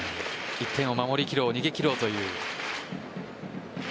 １点を守りきろう逃げ切ろうという。